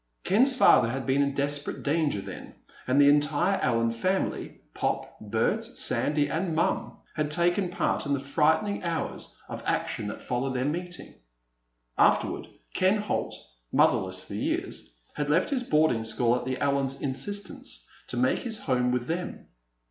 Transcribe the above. Ken's father had been in desperate danger then, and the entire Allen family—Pop, Bert, Sandy, and Mom—had taken part in the frightening hours of action that followed their meeting. Afterward, Ken Holt, motherless for years, had left his boarding school at the Allens' insistence to make his home with them.